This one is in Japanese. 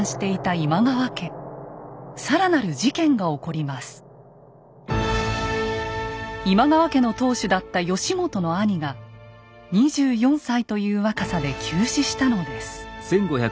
今川家の当主だった義元の兄が２４歳という若さで急死したのです。